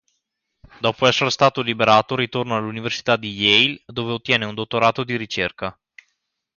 Dopo esser stato liberato ritorna all'Università di Yale, dove ottiene un dottorato di ricerca.